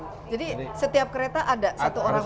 jadi setiap kereta ada satu orang masinis